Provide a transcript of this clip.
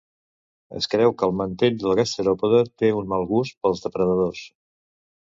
Es creu que el mantell del gasteròpode té un mal gust pels depredadors.